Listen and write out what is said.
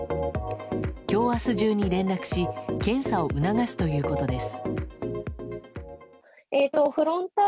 今日明日中に連絡し検査を促すということです。